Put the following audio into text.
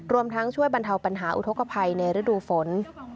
รวมทั้งช่วยบรรเทาปัญหาอุทธกภัยในฤดูฝน